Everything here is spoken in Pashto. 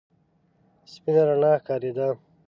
سپينه رڼا ښکارېده.